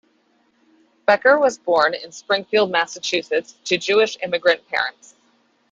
Becker was born in Springfield, Massachusetts, to Jewish immigrant parents.